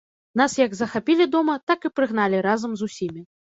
Нас як захапілі дома, так і прыгналі разам з усімі.